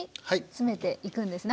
詰めていくんですね。